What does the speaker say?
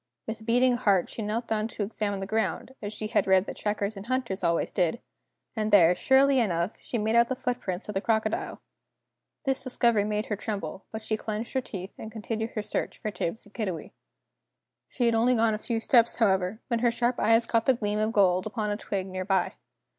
With beating heart she knelt down to examine the ground, as she had read that trackers and hunters always did, and there, surely enough, she made out the footprints of the crocodile! This discovery made her tremble, but she clenched her teeth and continued her search for Tibbs and Kiddiwee. She had only gone a few steps, however, when her sharp eyes caught the gleam of gold upon a twig near by.